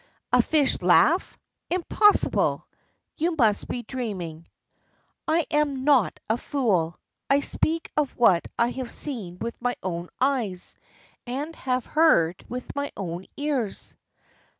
"A fish laugh! Impossible! You must be dreaming." "I am not a fool. I speak of what I have seen with my own eyes and have heard with my own ears."